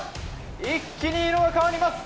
一気に色が変わります！